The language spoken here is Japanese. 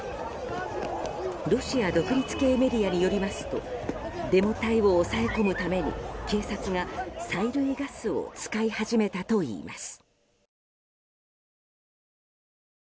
ロシア独立系メディアによりますとデモ隊を抑え込むために警察が、催涙ガスを使い始めたといいます。